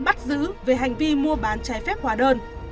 bắt giữ về hành vi mua bán trái phép hóa đơn